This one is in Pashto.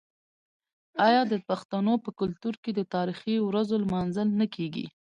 آیا د پښتنو په کلتور کې د تاریخي ورځو لمانځل نه کیږي؟